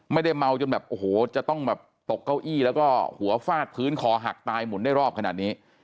ไม่ได้เมาจนแบบโอ้โหจะต้องแบบตกเก้าอี้แล้วก็หัวฟาดพื้นคอหักตายหมุนได้รอบขนาดนี้